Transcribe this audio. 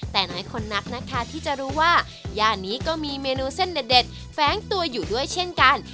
แต่หลายคนนักนะคะที่จะรู้ว่าย่านนี้ก็มีเมนูเส้นเด็ดแฟ้งตัวอยู่ด้วยเช่นกัน